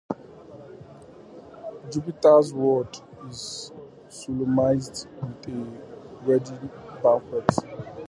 Jupiter's word is solemnized with a wedding banquet.